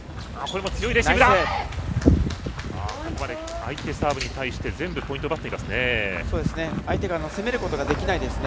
相手サーブに対して全部ポイントを奪っていますね。